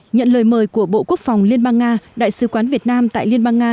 nhận lời mời của bộ quốc phòng liên bang nga đại sứ quán việt nam tại liên bang nga